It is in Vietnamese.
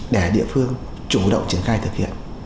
để địa phương chủ động triển khai thực hiện